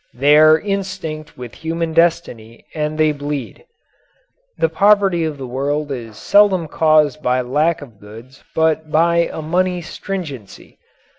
They are instinct with human destiny and they bleed. The poverty of the world is seldom caused by lack of goods but by a "money stringency."